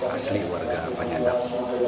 asli warga penyadap